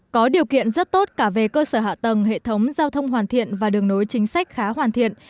có điều kiện rất tốt cả về cơ sở hạ tầng hệ thống giao thông hoàn thiện và đường nối chính sách khá hoàn thiện